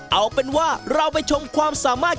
เอาเป็นว่าเราไปชมความสามารถ